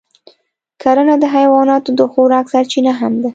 کرنه د حیواناتو د خوراک سرچینه هم ده.